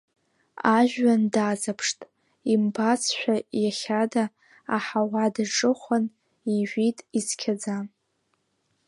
Ажәҩан даҵаԥшт, имбацшәа иахьада, аҳауа даҿыхәан ижәит ицқьаӡа.